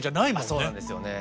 そうなんですよね。